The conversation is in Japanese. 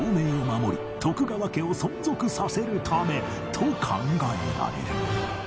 と考えられる